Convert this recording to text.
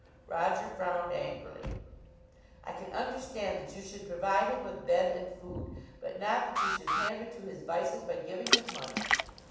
Roger frowned angrily. "I can understand that you should provide him with bed and food, but not that you should pander to his vices by giving him money."